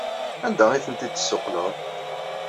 Anda ay tent-id-tessuqqleḍ?